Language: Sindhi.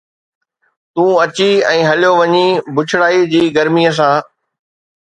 تون اچي ۽ هليو وڃين بڇڙائيءَ جي گرميءَ سان